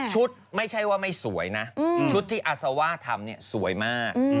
ไม่ใช่ว่าไม่สวยนะชุดที่อาซาว่าทำเนี่ยสวยมาก